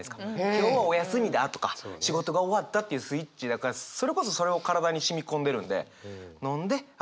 今日はお休みだとか仕事終わったっていうスイッチだからそれこそそれを体に染み込んでるんで飲んでああ